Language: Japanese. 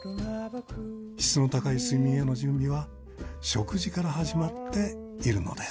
［質の高い睡眠への準備は食事から始まっているのです］